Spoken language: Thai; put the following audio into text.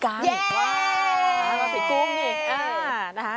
เย้ชาวราศีกุมอีกนะคะ